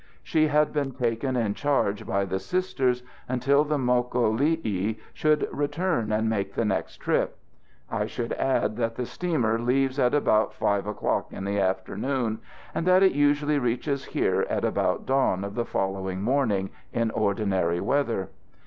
She had been taken in charge by the Sisters until the Mokolii should return and make the next trip. I should add that the steamer leaves at about five o'clock in the afternoon, and that it usually reaches here at about dawn of the following morning in ordinary weather.